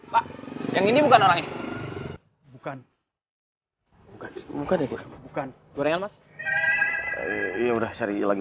hai yang ini bukan orangnya bukan bukan bukan bukan gorengan mas ya udah cari lagi